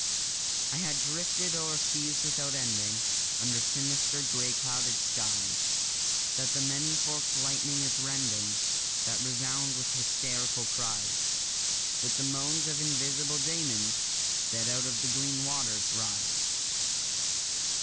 I have drifted o'er seas without ending, Under sinister grey clouded skies That the many fork'd lightning is rending, That resound with hysterical cries; With the moans of invisible daemons that out of the green water rise.